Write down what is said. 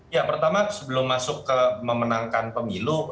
ya pertama sebelum masuk ke memenangkan pemilu